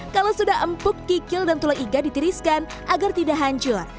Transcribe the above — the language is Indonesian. kalau sudah empuk kikil dan tulang iga ditiriskan agar tidak hancur